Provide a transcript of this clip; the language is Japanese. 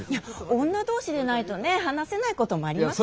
女同士でないとねえ話せないこともありますから。